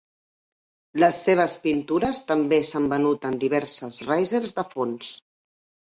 Les seves pintures també s'han venut en diverses raisers de fons.